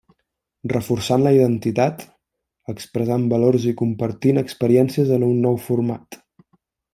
Reforçant la identitat, expressant valors i compartint experiències en un nou format.